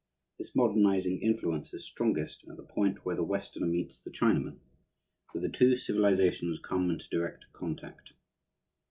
This modernizing influence is strongest at the point where the Westerner meets the Chinaman, where the two civilizations come into direct contact.